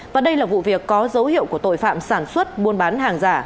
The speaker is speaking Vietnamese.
và đây là vụ việc có dấu hiệu của tội phạm sản xuất buôn bán hàng giả